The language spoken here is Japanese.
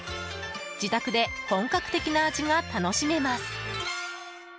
自宅で本格的な味が楽しめます。